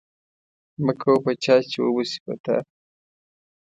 مه کوه په چا چې وبه شي پر تا